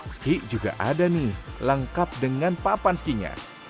ski juga ada nih lengkap dengan papan skinya